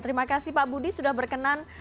terima kasih pak budi sudah berkenan